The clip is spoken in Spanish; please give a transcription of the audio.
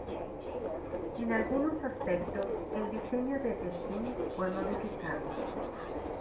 En algunos aspectos el diseño de Tessin fue modificado.